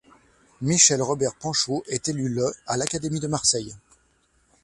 Michel Robert Penchaud est élu le à l'Académie de Marseille.